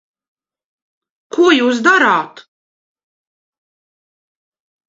Ko jūs darāt?